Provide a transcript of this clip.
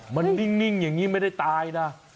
มันนิ่งอย่างนี้ไม่ได้ตายนะ